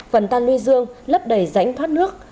phần tan nuôi dương lấp đầy rãnh thoát nước